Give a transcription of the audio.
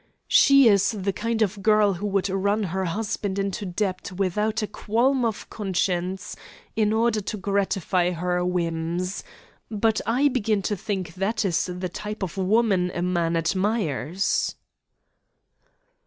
'She is the kind of girl who would run her husband into debt without a qualm of conscience, in order to gratify her whims. But I begin to think that is the type of woman a man admires.'